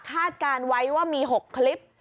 คาดการณ์ไว้ว่ามี๖คลิป